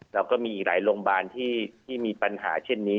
แล้วก็มีอีกหลายโรงพยาบาลที่มีปัญหาเช่นนี้